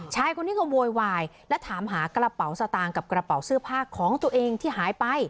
ชายคนนี้ก็โวยวายและถามหากระเป๋าสตางค์กับกระเป๋าเสื้อผ้าของตัวเองที่หายไป